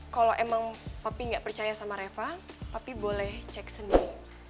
kalo emang papi nggak percaya sama reva papi boleh cek sendiri